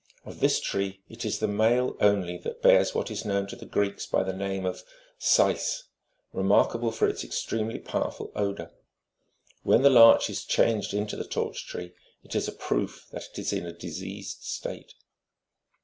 Of this tree it is the male only that bears what is known to the Greeks by the name of " syce,"21 remarkable for its extremely powerful odour. When the larch22 is changed into the torch tree, it is a proof that it is in a diseased state.